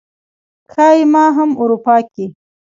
ښايي ما هم اروپا کې